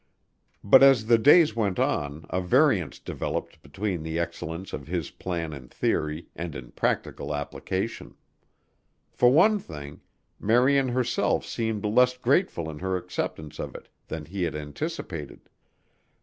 But as the days went on a variance developed between the excellence of his plan in theory and in practical application. For one thing, Marian herself seemed less grateful in her acceptance of it than he had anticipated.